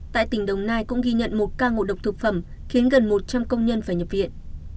tại tỉnh đồng nai cũng ghi nhận một ca ngộ độc thực phẩm khiến gần một trăm linh công nhân phải nhập viện